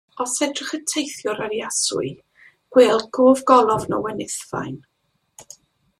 Os edrych y teithiwr ar ei aswy, gwêl gofgolofn o wenithfaen.